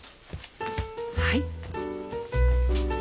はい。